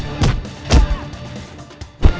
eh apaan ini